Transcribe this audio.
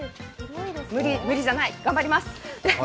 無理じゃないです、頑張ります。